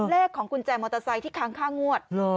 เลขของกุญแจมอเตอร์ไซค์ที่ค้างค่างวด